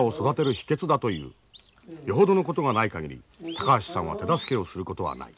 よほどのことがない限り高橋さんは手助けをすることはない。